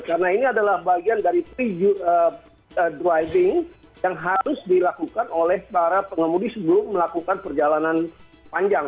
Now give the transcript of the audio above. karena ini adalah bagian dari pre driving yang harus dilakukan oleh para pengemudi sebelum melakukan perjalanan panjang